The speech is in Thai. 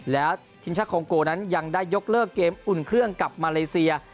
แล้วทีมชาติคองโกนั้นยังได้ยกเลิกเกมอุ่นเครื่องกับมาเลเซีย